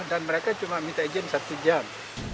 dan mereka cuma minta izin satu jam